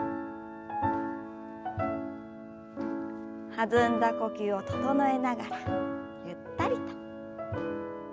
弾んだ呼吸を整えながらゆったりと。